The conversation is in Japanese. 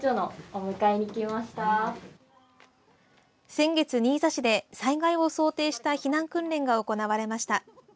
先月、新座市で災害を想定した避難訓練が行われました。